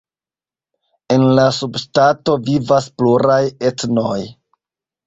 En la subŝtato vivas pluraj etnoj.